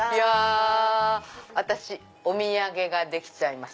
私お土産ができちゃいました。